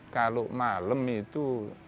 kalau malam itu